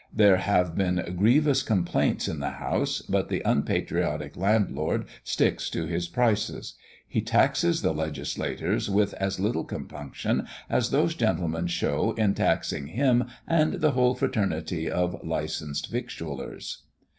There have been grievous complaints in the House, but the unpatriotic landlord sticks to his prices; he taxes the legislators with as little compunction as those gentlemen show in taxing him and the whole fraternity of licensed victuallers.